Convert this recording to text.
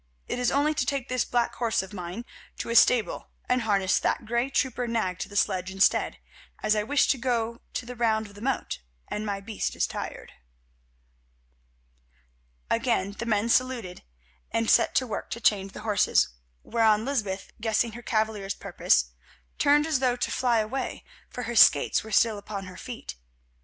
It is only to take this black horse of mine to his stable and harness that grey trooper nag to the sledge instead, as I wish to go the round of the moat, and my beast is tired." Again the men saluted and set to work to change the horses, whereon Lysbeth, guessing her cavalier's purpose, turned as though to fly away, for her skates were still upon her feet.